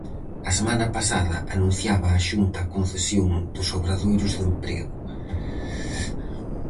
A semana pasada anunciaba a Xunta a concesión dos obradoiros de emprego.